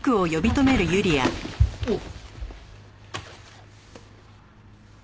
おっ。